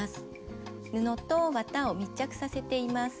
布と綿を密着させています。